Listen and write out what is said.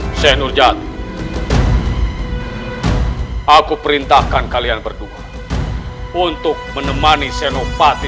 hai senur jatuh aku perintahkan kalian berdua untuk menemani senopati